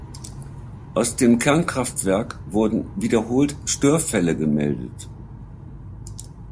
Aus dem Kernkraftwerk wurden wiederholt Störfälle gemeldet.